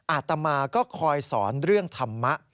อาตมาก็คอยสอนเรื่องธรรมะ